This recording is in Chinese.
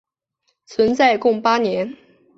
存在共八年。